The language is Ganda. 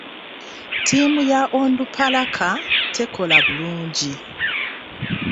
Ttiimu ya Onduparaka tekola bulungi.